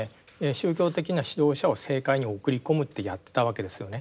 宗教的な指導者を政界に送り込むってやってたわけですよね。